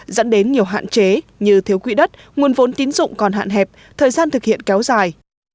dẫn đến nhiều hạn chế như thiếu quỹ đất nguồn vốn tín dụng còn hạn hẹp thời gian thực hiện kéo dài